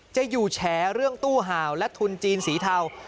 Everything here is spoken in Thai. จะอยู่แฉเรื่องตู้ห่าวและทุนจีนสีเทา